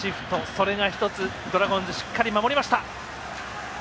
それが１つドラゴンズ、しっかり守りました。